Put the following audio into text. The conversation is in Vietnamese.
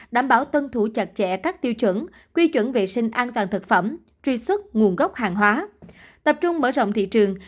đảm bảo tuân thủ chặt chẽ các tiêu chuẩn quy chuẩn vệ sinh an toàn thực phẩm truy xuất nguồn gốc hàng hóa tập trung mở rộng thị trường